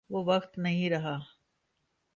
وہ وقت نہیں رہا۔